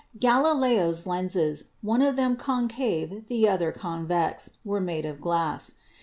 Galileo's lenses, one of them concave the other convex, were made of glass.